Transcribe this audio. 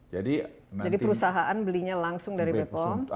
jadi perusahaan belinya langsung dari bp pom